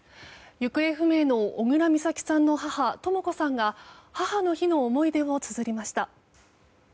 行方不明の小倉美咲さんの母・とも子さんが母の日の思い出をつづりました。